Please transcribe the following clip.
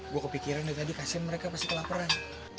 gue kepikiran ya tadi kasian mereka pasti kelaperan